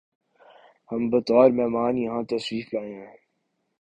ہم بطور مہمان یہاں تشریف لائے ہیں